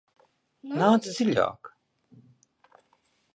Nāc dziļāk!